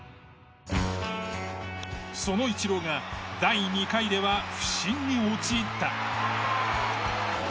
そのイチローが第２回では不振に陥った。